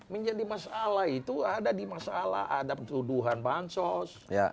menjadi masalah itu ada di masalah ada tuduhan bansos